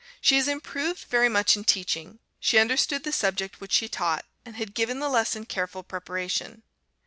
She has improved very much in teaching. She understood the subject which she taught, and had given the lesson careful preparation.